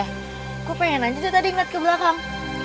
aku ingin saja dia tadi mengekalkan ke belakang